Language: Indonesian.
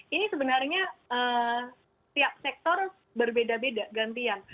ini sebenarnya setiap sektor berbeda beda gantian